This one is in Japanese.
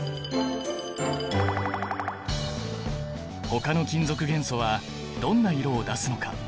ほかの金属元素はどんな色を出すのか？